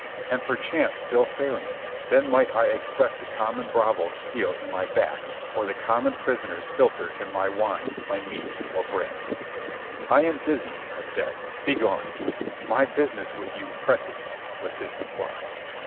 And, perchance still failing, then might I expect the common bravo's steel in my back or the common poisoner's philter in my wine, my meat, or bread. "I am busy," I said. "Begone." "My business with you presses," was his reply.